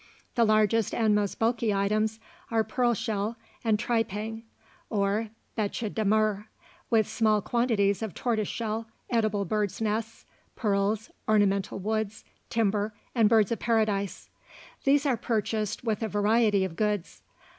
The largest and most bulky items are pearl shell and tripang, or "beche de mer," with smaller quantities of tortoise shell, edible birds' nests, pearls, ornamental woods, timber, and Birds of Paradise. These are purchased with a variety of goods.